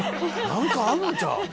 何かあんのちゃう？